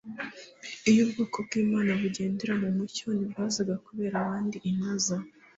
iyo ubwoko bw'imana bugendera mu mucyo ntibwazaga kubera abandi intaza